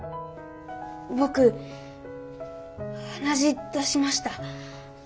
僕鼻血出しました。